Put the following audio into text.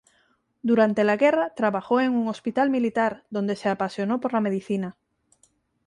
Durante la guerra trabajó en un hospital militar, donde se apasionó por la Medicina.